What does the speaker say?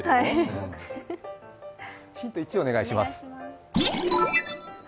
ヒント１をお願いします。